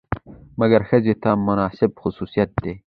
مکر ښځې ته منسوب خصوصيت دى.